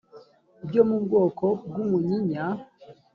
byo mu bwoko bw umunyinya